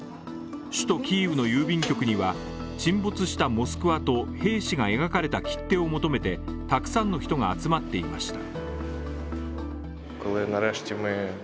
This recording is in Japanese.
首都キーウの郵便局には沈没したモスクワと兵士が描かれた切手を求めてたくさんの人が集まっていました。